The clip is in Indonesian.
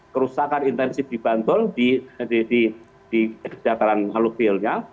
kerusakan intensif di bantul di dataran alubilnya